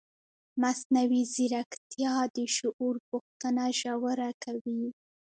مصنوعي ځیرکتیا د شعور پوښتنه ژوره کوي.